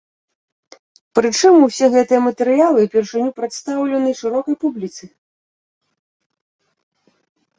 Прычым усе гэтыя матэрыялы ўпершыню прадстаўлены шырокай публіцы.